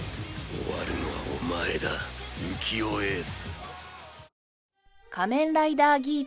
終わるのはお前だ浮世英寿。